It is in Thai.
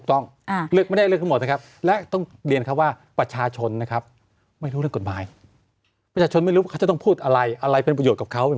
กับต้นรวชกับท่านอาจารย์การท่านอาจารย์การบ้าน